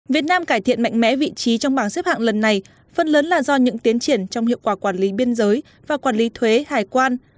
việt nam cải thiện mạnh mẽ vị trí trong bảng xếp hạng lần này phần lớn là do những tiến triển trong hiệu quả quản lý biên giới và quản lý thuế hải quan